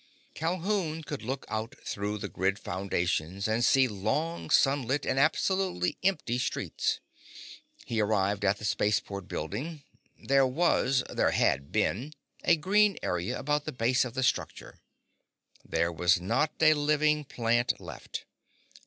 Calhoun could look out through the grid foundations and see long, sunlit and absolutely empty streets. He arrived at the spaceport building. There was—there had been—a green area about the base of the structure. There was not a living plant left.